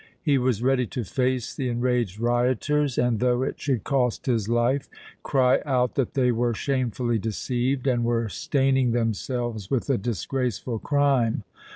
He was ready to face the enraged rioters and though it should cost his life cry out that they were shamefully deceived and were staining themselves with a disgraceful crime.